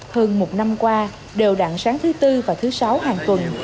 hơn một năm qua đều đặn sáng thứ tư và thứ sáu hàng tuần